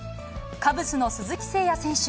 カブスの鈴木誠也選手。